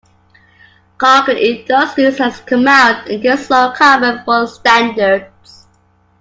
Koch Industries has come out against Low Carbon Fuel Standards.